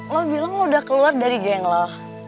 lo bilang lo udah keluar dari geng lo